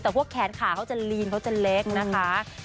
แต่พวกแขนขาเขาจะลีนเขาจะเล็กนะคะ